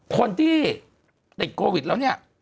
คนที่ติดโควิดแล้วเนี่ย